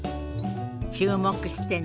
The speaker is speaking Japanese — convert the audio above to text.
注目してね。